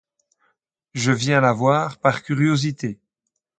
Je viens la voir par curiosité.